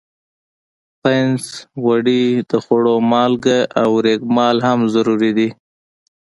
پنس، غوړي، د خوړلو مالګه او ریګ مال هم ضروري دي.